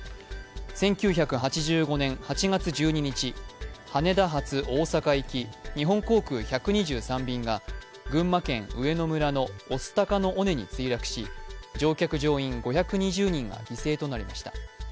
１９８５年８月１２日、羽田発大阪行き、日本航空１２３便が群馬県上野村の御巣鷹の尾根に墜落し乗客・乗員５２０人が犠牲となりました。